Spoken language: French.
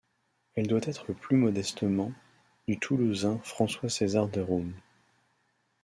Elle doit être plus modestement, du Toulousain François-César Derôme.